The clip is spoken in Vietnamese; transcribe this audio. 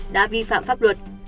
đã vi phạm pháp luật